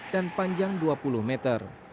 dan panjang dua puluh meter